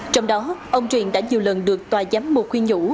trong đó ông truyền đã nhiều lần được tòa giám mục khuyên nhũ